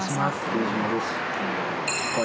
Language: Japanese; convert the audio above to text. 君島です。